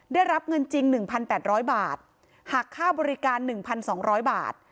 ได้รับเงินจริง๑๘๐๐บาทหักค่าบริการ๑๒๐๐บาท